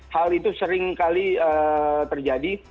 hal itu sering kali terjadi